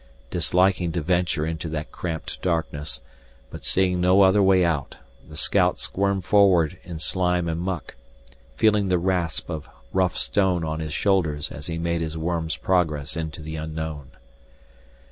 Disliking to venture into that cramped darkness, but seeing no other way out, the scout squirmed forward in slime and muck, feeling the rasp of rough stone on his shoulders as he made his worm's progress into the unknown.